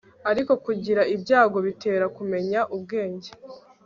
ariko kugira ibyago bitera kumenya ubwenge